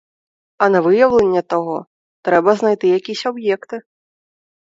А на виявлення того треба знайти якісь об'єкти.